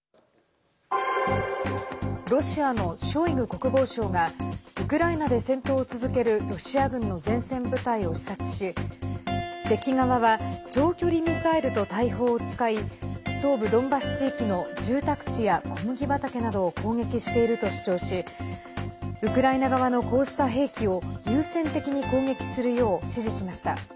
ロシアのショイグ国防相がウクライナで戦闘を続けるロシア軍の前線部隊を視察し敵側は長距離ミサイルと大砲を使い東部ドンバス地域の住宅地や小麦畑などを攻撃していると主張しウクライナ側のこうした兵器を優先的に攻撃するよう指示しました。